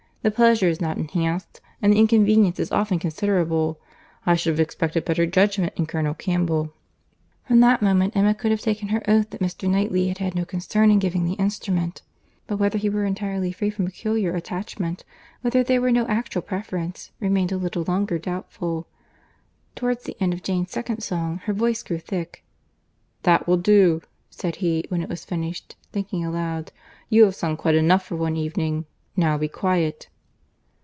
The pleasure is not enhanced, and the inconvenience is often considerable. I should have expected better judgment in Colonel Campbell." From that moment, Emma could have taken her oath that Mr. Knightley had had no concern in giving the instrument. But whether he were entirely free from peculiar attachment—whether there were no actual preference—remained a little longer doubtful. Towards the end of Jane's second song, her voice grew thick. "That will do," said he, when it was finished, thinking aloud—"you have sung quite enough for one evening—now be quiet."